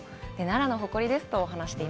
奈良の誇りですと。